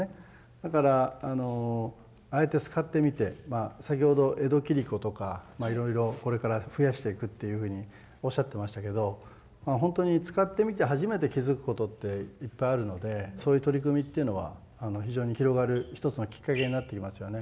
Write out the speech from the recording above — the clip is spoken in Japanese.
だからああやって使ってみて先ほど江戸切子とかいろいろこれから増やしていくっていうふうにおっしゃってましたけどほんとに使ってみて初めて気付くことっていっぱいあるのでそういう取り組みっていうのは非常に広がる一つのきっかけになっていますよね。